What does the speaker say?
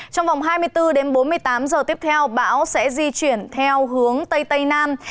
trong vòng hai mươi bốn h bốn mươi tám h tiếp theo bão di chuyển theo hướng tây tây nam